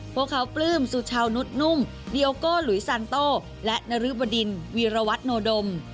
พวกเขาปลื้มสุชาวนุษย์นุ่มดีโอโก้หลุยซานโต้และนรึบดินวีรวัตโนดม